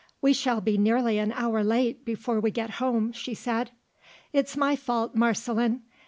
"We shall be nearly an hour late, before we get home," she said. "It's my fault, Marceline.